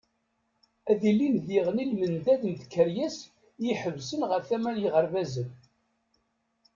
Ad ilin diɣen i lmendad n tkeryas i iḥebbsen ɣer tama n yiɣerbazen.